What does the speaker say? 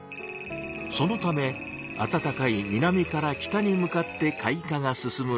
そのためあたたかい南から北に向かって開花が進むのです。